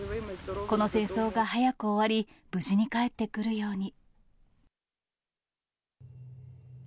この戦争が早く終わり、無事に帰ってくるように。